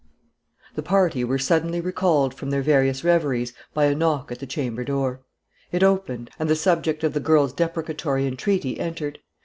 The party were suddenly recalled from their various reveries by a knock at the chamber door. It opened, and the subject of the girl's deprecatory entreaty entered.